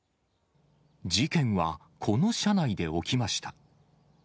事件はこの車内で起きました。